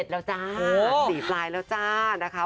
๔๗แล้วจ้าสีปลายแล้วจ้า